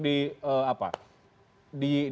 di apa di